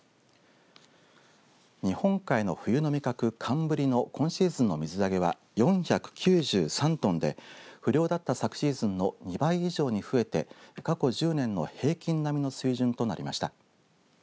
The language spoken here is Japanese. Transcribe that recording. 日本海の冬の味覚寒ぶりの今シーズンの水揚げは４９３トンで不漁だった昨シーズンの２倍以上に増えて過去１０年の平均並みの水準となりました。